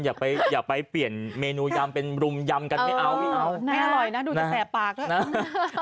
อย่าไปอย่าไปเปลี่ยนเมนูยำเป็นรุมยำกันไม่เอาไม่เอาไม่อร่อยนะดูจะแสบปากด้วยนะ